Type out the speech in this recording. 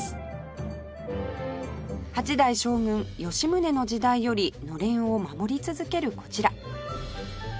８代将軍吉宗の時代よりのれんを守り続けるこちら